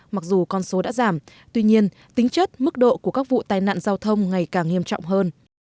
mặc dù con số đã giảm tuy nhiên tính chất mức độ của các vụ tai nạn giao thông ngày càng nghiêm trọng hơn